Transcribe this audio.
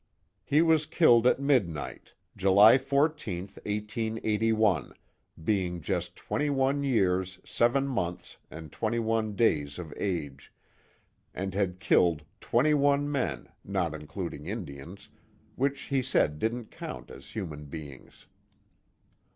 He was killed at midnight, July 14th, 1881, being just twenty one years, seven months and twenty one days of age, and had killed twenty one men, not including Indians, which he said didn't count as human beings.